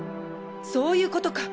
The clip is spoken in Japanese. そういうことか！